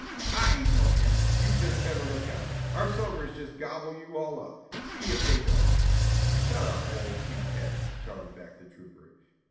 "I ain't no imp. You jes' better look out, our sogers jes' gobble you all up; see ef de' don't!" "Shut up, old kink head," shouted back the trooper.